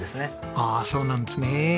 あそうなんですね。